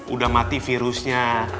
udah mati virusnya